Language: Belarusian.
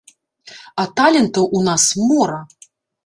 А талентаў у нас мора.